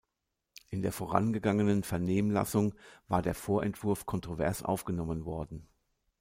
In der vorangehenden Vernehmlassung war der Vorentwurf kontrovers aufgenommen worden.